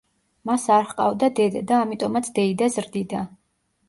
მას არ ჰყავდა დედა და ამიტომაც დეიდა ზრდიდა.